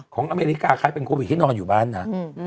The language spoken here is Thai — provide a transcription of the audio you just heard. อเมริกาใครเป็นโควิดที่นอนอยู่บ้านนะ